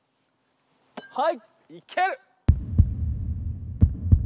はいいける。